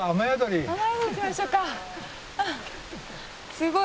すごい。